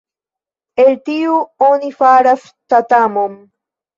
El tiu oni faras tatamon.